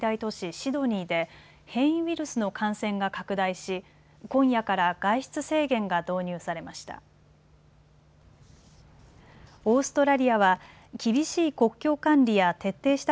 シドニーで変異ウイルスの感染が拡大し、今夜から外出制限が導入されました。